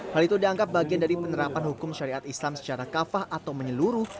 hal itu dianggap bagian dari penerapan hukum syariat islam secara kafah atau menyeluruh